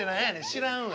知らんわ。